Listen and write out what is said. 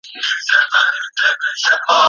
ایا ستاسو په سیمه کي انټرنیټ کار کوي؟